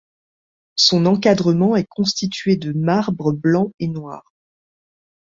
Son encadrement est constitué de marbre blanc et noir.